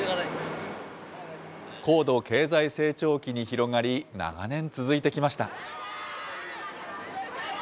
高度経済成長期に広がり、長年続いてきました。